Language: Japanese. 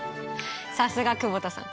さすが久保田さん。